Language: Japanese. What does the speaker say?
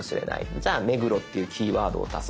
じゃあ「目黒」っていうキーワードを足そう。